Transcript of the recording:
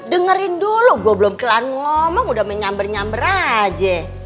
dengerin dulu gue belum kelan ngomong udah menyamber nyamber aja